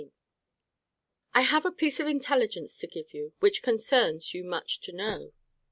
I have a piece of intelligence to give you, which concerns you much to know.